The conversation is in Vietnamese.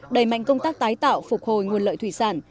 đầy mạnh công tác tái tạo phát triển nguồn lợi thủy sản